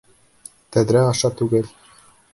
Тәҙрә аша... түгел.